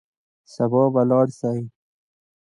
سبا به ولاړ سئ.